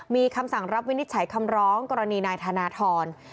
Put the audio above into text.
มีคำสั่งรับวินิจฉัยคำร้องกรณีนายธนทร